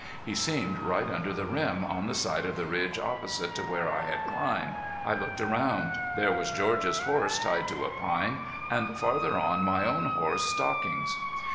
He seemed right under the rim on the side of the ridge opposite to where I had climbed. I looked around. There was George's horse tied to a pine, and farther on my own horse Stockings.